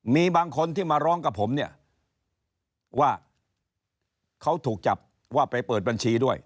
มีบางคนที่มาร้องกับผมเนี่ยว่าเขาถูกจับว่าไปเปิดบัญชีด้วย